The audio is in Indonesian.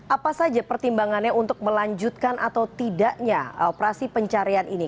apa saja pertimbangannya untuk melanjutkan atau tidaknya operasi pencarian ini